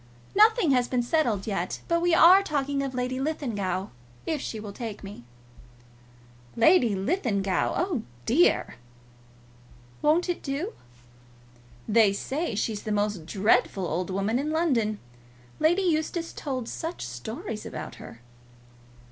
"Nothing has been settled yet; but we are talking of Lady Linlithgow, if she will take me." "Lady Linlithgow! Oh dear!" "Won't it do?" "They say she is the most dreadful old woman in London. Lady Eustace told such stories about her."